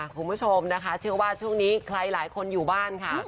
คุณผู้ชมนะคะเชื่อว่าช่วงนี้ใครหลายคนอยู่บ้านค่ะ